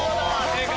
正解。